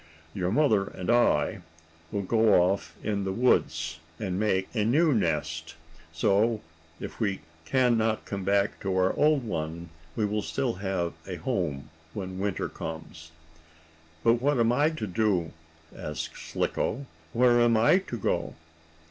Your mother and I will go off in the woods, and make a new nest, so if we can not come back to our old one, we will still have a home when winter comes." "But what am I to do?" asked Slicko. "Where am I to go?"